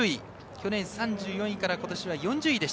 去年、３４位から今年は４０位。